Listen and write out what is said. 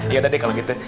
ya udah deh kalau gitu